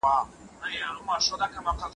موټر چلونکي په خپل زړه کې د امید ډېوه بله کړه.